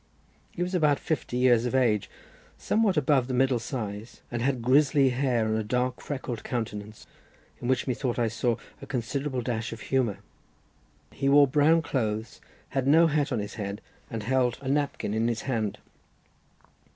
He was about fifty years of age, somewhat above the middle size, and had grizzly hair, and a dark, freckled countenance, in which methought I saw a considerable dash of humour. He wore brown clothes, had no hat on his head, and held a napkin in his hand.